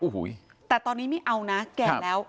นะแต่ตอนนี้ไม่เอานะ